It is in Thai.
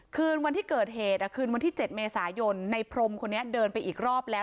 คืนวันที่เกิดเหตุคืนวันที่๗เมษายนในพรมคนนี้เดินไปอีกรอบแล้ว